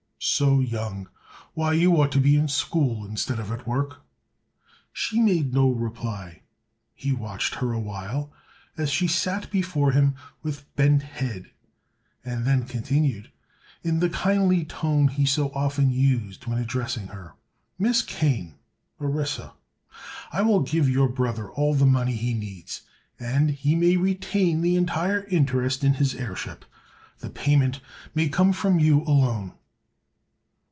"So young! Why, you ought to be in school, instead of at work." She made no reply. He watched her awhile, as she sat before him with bent head, and then continued, in the kindly tone he so often used when addressing her: "Miss Kane—Orissa—I will give your brother all the money he needs, and he may retain the entire interest in his airship. The payment may come from you alone."